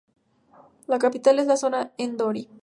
La capital de la zona es Dori.